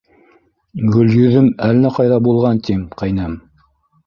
— Гөлйөҙөм әллә ҡайҙа булған тим, ҡәйнәм!